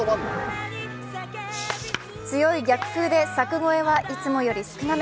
強い逆風で柵越えはいつもより少なめ。